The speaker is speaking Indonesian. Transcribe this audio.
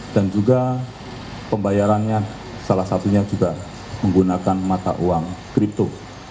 dan juga pembayarannya salah satunya juga menggunakan mata uang kripto